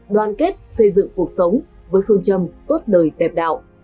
đoàn kết xây dựng cuộc sống với phương châm tốt đời đẹp đạo